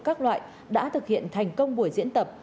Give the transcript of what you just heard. các loại đã thực hiện thành công buổi diễn tập